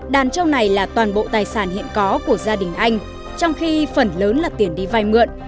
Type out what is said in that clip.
đàn trâu này là toàn bộ tài sản hiện có của gia đình anh trong khi phần lớn là tiền đi vay mượn